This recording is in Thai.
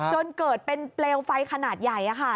จนเกิดเป็นเปลวไฟขนาดใหญ่ค่ะ